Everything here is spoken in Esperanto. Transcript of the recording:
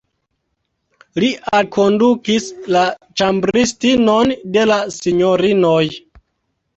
Li alkondukis la ĉambristinon de la sinjorinoj.